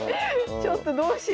ちょっとどうしよう。